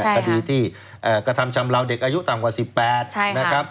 คดีที่กระทำชำราวเด็กอายุต่ำกว่า๑๘นะครับ